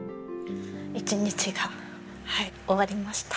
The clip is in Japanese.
一日が終わりました。